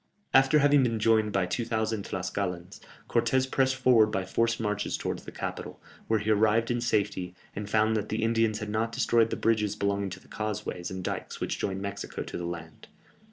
After having been joined by 2000 Tlascalans, Cortès pressed forward by forced marches towards the capital, where he arrived in safety, and found that the Indians had not destroyed the bridges belonging to the causeways and dikes which joined Mexico to the land.